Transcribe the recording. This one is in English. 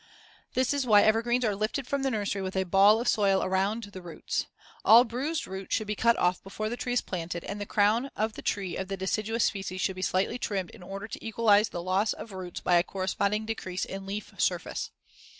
This is why evergreens are lifted from the nursery with a ball of soil around the roots. All bruised roots should be cut off before the tree is planted, and the crown of the tree of the deciduous species should be slightly trimmed in order to equalize the loss of roots by a corresponding decrease in leaf surface.